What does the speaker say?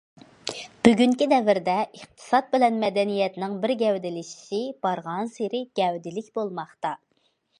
بۈگۈنكى دەۋردە ئىقتىساد بىلەن مەدەنىيەتنىڭ بىر گەۋدىلىشىشى بارغانسېرى گەۋدىلىك بولماقتا.